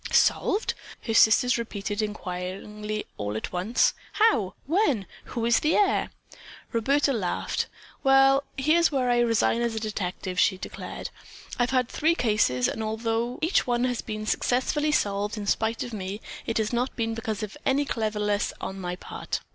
"Solved?" her sisters repeated inquiringly and all at once. "How? When? Who is the heir?" Roberta laughed. "Well, here's where I resign as a detective," she declared. "I've had three cases and although each one has been successfully solved in spite of me, it has not been because of any cleverness on my part."